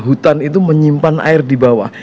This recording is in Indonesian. hutan itu menyimpan air di bawah